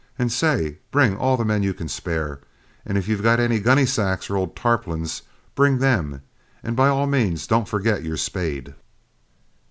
And say, bring all the men you can spare; and if you've got any gunny sacks or old tarpaulins, bring them; and by all means don't forget your spade."